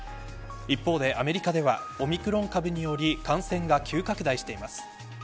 一方で、アメリカではオミクロン株により感染が急拡大しています。